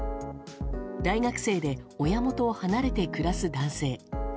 大学生で親元を離れて暮らす男性。